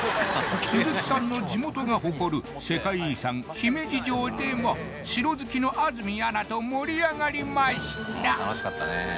鈴木さんの地元が誇る世界遺産姫路城でも城好きの安住アナと盛り上がりました